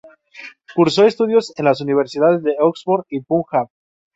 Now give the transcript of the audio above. Cursó estudios en las universidades de Oxford y Punjab.